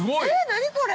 何これ。